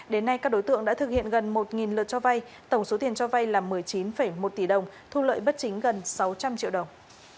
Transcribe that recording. đến nay các đối tượng đã thực hiện gần một lượt cho vay tổng số tiền cho vay là một mươi chín một tỷ đồng thu lợi bất chính gần sáu trăm linh triệu đồng